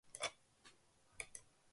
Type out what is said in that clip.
Egunak beharko litezke hori dena azaltzeko!